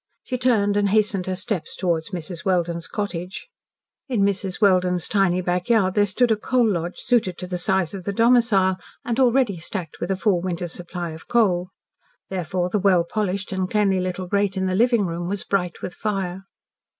She turned and hastened her steps towards Mrs. Welden's cottage. In Mrs. Welden's tiny back yard there stood a "coal lodge" suited to the size of the domicile and already stacked with a full winter's supply of coal. Therefore the well polished and cleanly little grate in the living room was bright with fire.